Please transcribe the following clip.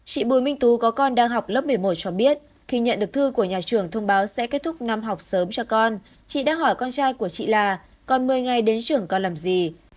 chị bùi minh tú có con đang học lớp một mươi một cho biết khi nhận được thư của nhà trường thông báo sẽ kết thúc năm học sớm cho con chị đã hỏi con trai của chị là còn một mươi ngày đến trường con làm gì